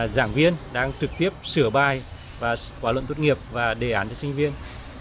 giảng viên đang trực tiếp sửa bài và khóa luận tốt nghiệp và đề án cho sinh viên